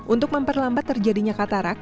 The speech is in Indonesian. untuk memperlambat terjadinya katarak